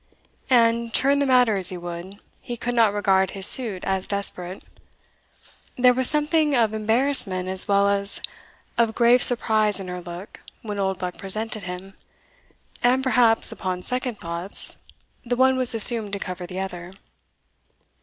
And, turn the matter as he would, he could not regard his suit as desperate. There was something of embarrassment as well as of grave surprise in her look when Oldbuck presented him and, perhaps, upon second thoughts, the one was assumed to cover the other.